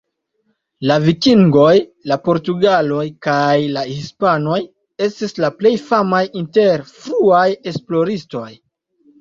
La vikingoj, la portugaloj, kaj la hispanoj estis la plej famaj inter fruaj esploristoj.